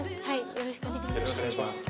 よろしくお願いします。